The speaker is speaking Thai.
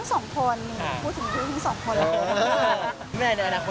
ตอนนี้เราเขารู้